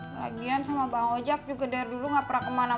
lagian sama bang ojak juga dari dulu gak pernah kemana mana